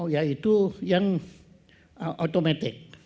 yaitu yang otomatis